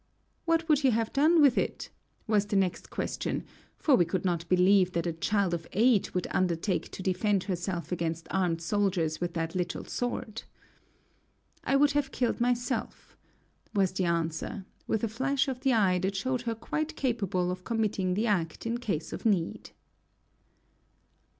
"What would you have done with it?" was the next question, for we could not believe that a child of eight would undertake to defend herself against armed soldiers with that little sword. "I would have killed myself," was the answer, with a flash of the eye that showed her quite capable of committing the act in case of need.